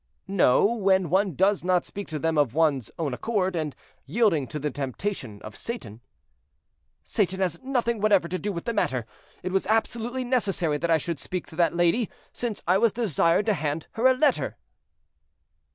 "No, when one does not speak to them of one's own accord, and yielding to the temptation of Satan." "Satan has nothing whatever to do with the matter; it was absolutely necessary that I should speak to that lady, since I was desired to hand her a letter."